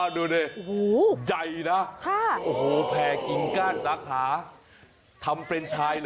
ดูนี่ใหญ่นะแพร่กิ้งก้านรักษาทำเป็นชายเหรอ